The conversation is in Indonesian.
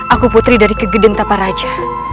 aku putri dari kegenden tapa raja